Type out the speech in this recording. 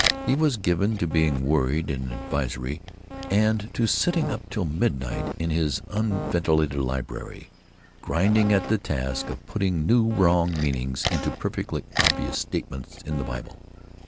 He was given to being worried and advisory and to sitting up till midnight in his unventilated library, grinding at the task of putting new wrong meanings into perfectly obvious statements in the Bible.